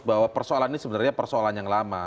bahwa persoalan ini sebenarnya persoalan yang lama